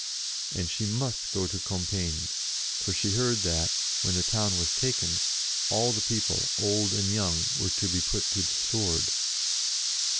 And she must go to Compiegne, for she heard that, when the town was taken, all the people, old and young, were to be put to the sword.